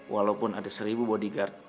walaupun ada seribu bodyguard